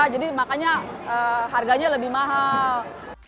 jadi makanya harganya lebih mahal